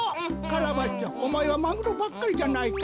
カラバッチョおまえはマグロばっかりじゃないか。